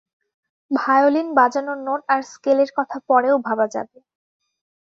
Violin বাজানোর note আর স্কেলের কথা পরেও ভাবা যাবে।